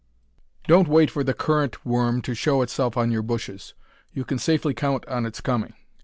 Don't wait for the currant worm to show itself on your bushes. You can safely count on its coming.